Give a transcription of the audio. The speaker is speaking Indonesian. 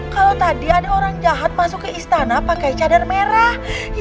kalau tadi ada orang jahat masuk ke istana pakai cadar merah